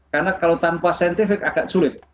karena kalau tanpa scientific agak sulit